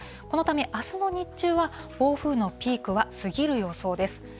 このため、あすの日中は暴風のピークは過ぎる予想です。